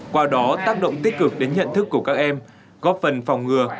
qua đó tác động tích cực đến nhận thức của các em góp phần phòng ngừa